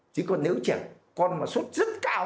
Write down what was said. chứ còn nếu chàng con mà suốt rất cao